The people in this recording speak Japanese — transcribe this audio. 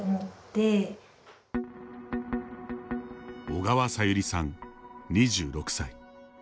小川さゆりさん、２６歳。